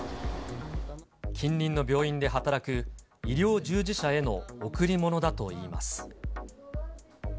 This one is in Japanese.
近隣の病院で働く医療従事者への贈り物だといいます。